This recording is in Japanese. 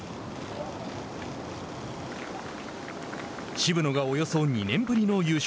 渋野がおよそ２年ぶりの優勝。